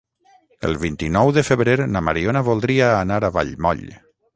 El vint-i-nou de febrer na Mariona voldria anar a Vallmoll.